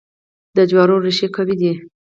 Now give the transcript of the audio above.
د جوارو ریښې قوي دي.